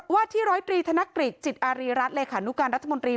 ว่าที่๑๐๓ธนกฤทธิ์จิตอารีรัฐเลขานุการรัฐมนตรี